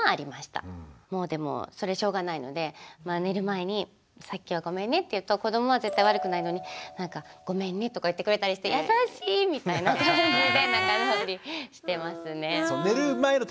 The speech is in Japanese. もうでもそれしょうがないので寝る前に「さっきはごめんね」って言うと子どもは絶対悪くないのに「ごめんね」とか言ってくれたりして「優しい」みたいな感じで仲直りしてますね。